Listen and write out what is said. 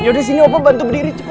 yaudah sini opa bantu berdiri cepetan